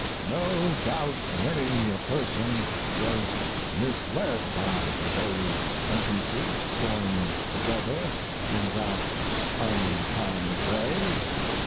No doubt many a person was misled by those sentences joined together in that unkind way.